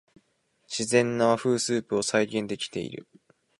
自然な和風スープを再現できてる